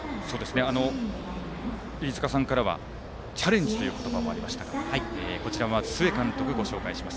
飯塚さんからはチャレンジという言葉もありましたが仙台育英の須江監督をご紹介します。